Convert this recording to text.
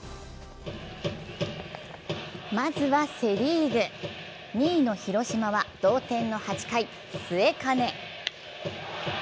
まずはセ・リーグ、２位の広島は同点の８回、末包。